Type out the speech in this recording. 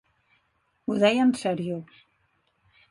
Ho deia en serio.